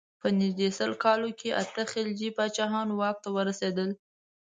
په نژدې سل کالو کې اته خلجي پاچاهان واک ته ورسېدل.